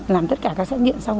làm tất cả các xét nghiệm xong